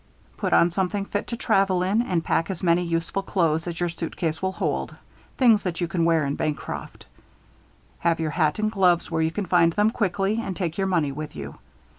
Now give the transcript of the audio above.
Put on something fit to travel in and pack as many useful clothes as your suitcase will hold things that you can wear in Bancroft. Have your hat and gloves where you can find them quickly and take your money with you.